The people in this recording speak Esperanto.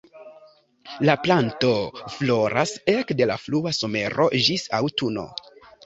La planto floras ekde la frua somero ĝis aŭtuno.